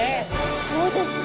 そうですね。